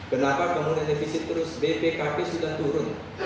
kenapa penggunaan defisi terus bpkp sudah turun